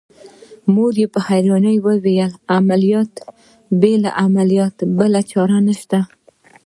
مور يې په حيرانۍ وويل عمليات بې له عملياته بله چاره نشته.